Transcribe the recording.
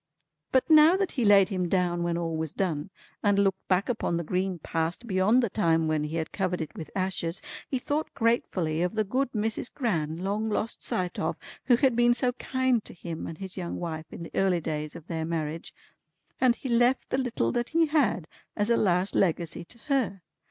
But now that he laid him down when all was done, and looked back upon the green Past beyond the time when he had covered it with ashes, he thought gratefully of the good Mrs. Gran long lost sight of, who had been so kind to him and his young wife in the early days of their marriage, and he left the little that he had as a last Legacy to her.